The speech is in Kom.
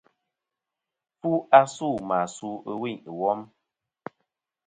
Fu asû mà su ɨwûyn ɨ wom.